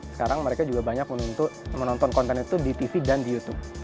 sekarang mereka juga banyak menonton konten itu di tv dan di youtube